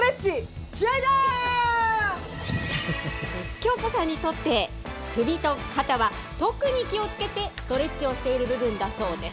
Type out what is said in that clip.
京子さんにとって首と肩は特に気をつけて、ストレッチをしている部分だそうです。